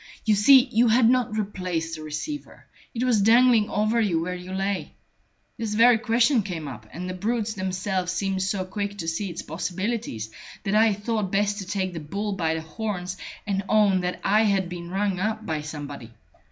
You see, you had not replaced the receiver; it was dangling over you where you lay. This very question came up, and the brutes themselves seemed so quick to see its possibilities that I thought best to take the bull by the horns and own that I had been rung up by somebody.